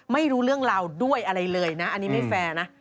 ไม่รู้เรื่องราวด้วยอะไรเลยนะอันนี้ไม่แฟร์นะ